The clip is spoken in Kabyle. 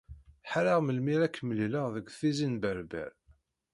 Ḥareɣ melmi ara k-mlileɣ deg Tizi n Berber.